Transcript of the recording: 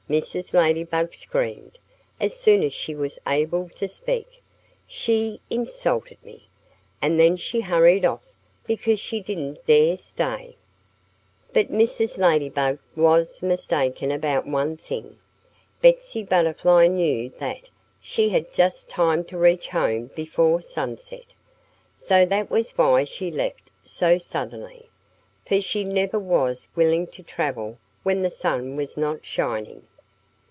Mrs. Ladybug screamed, as soon as she was able to speak. "She insulted me. And then she hurried off because she didn't dare stay!" But Mrs. Ladybug was mistaken about one thing. Betsy Butterfly knew that she had just time to reach home before sunset. So that was why she left so suddenly. For she never was willing to travel when the sun was not shining.